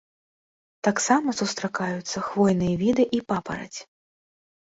Таксама сустракаюцца хвойныя віды і папараць.